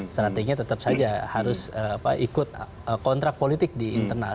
strateginya tetap saja harus ikut kontrak politik di internal